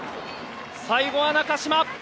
最後は中嶋。